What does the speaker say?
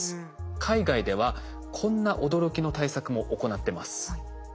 海外ではこんな驚きの対策も行ってます。